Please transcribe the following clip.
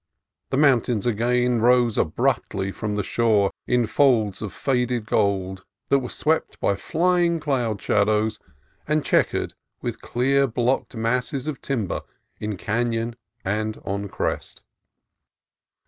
The mountains again rose abruptly from the shore in folds of faded gold that were swept by flying cloud shadows and chequered with clear blocked masses of timber in canon and on crest.